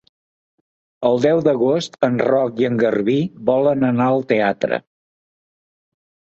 El deu d'agost en Roc i en Garbí volen anar al teatre.